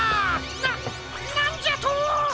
なっなんじゃと！